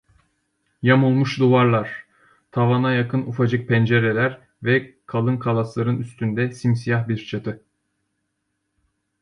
Yamulmuş duvarlar, tavana yakın ufacık pencereler ve kalın kalasların üstünde simsiyah bir çatı…